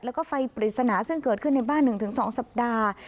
แล้วก็ไฟปริศนาซึ่งเกิดขึ้นในบ้าน๑๒สัปดาห์